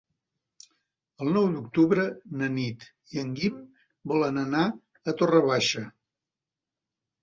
El nou d'octubre na Nit i en Guim volen anar a Torre Baixa.